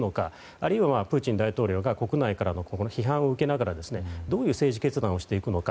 あるいはプーチン大統領が国内からの批判を受けながらどういう政治決断をしていくのか。